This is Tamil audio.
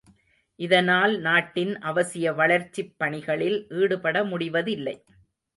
இதனால் நாட்டின் அவசிய வளர்ச்சிப் பணிகளில் ஈடுபட முடிவதில்லை.